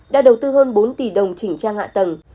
đã đầu tư hơn bốn tỷ đồng chỉnh trang hạ tầng